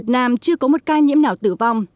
trong năm chưa có một ca nhiễm nào tử vong